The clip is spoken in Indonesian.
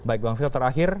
baik bang fito terakhir